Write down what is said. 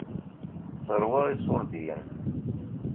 Teṛwa iṣuṛdiyen.